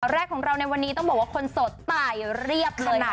แรกของเราในวันนี้ต้องบอกว่าคนโสดตายเรียบเลยนะ